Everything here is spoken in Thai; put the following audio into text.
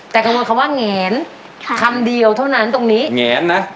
แต่กังวลคำว่าแงนค่ะคำเดียวเท่านั้นตรงนี้แงนนะ